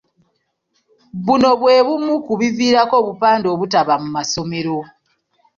Buno bwe bumu ku biviirako obupande obutaba mu masomero.